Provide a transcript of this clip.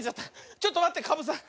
ちょっとまってかぶさん！